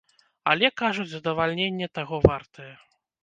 Але, кажуць, задавальненне таго вартае.